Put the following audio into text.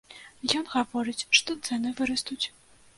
Ён гаворыць, што цэны вырастуць.